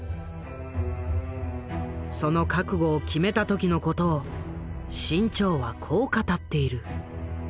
その覚悟を決めた時のことを志ん朝はこう語っている。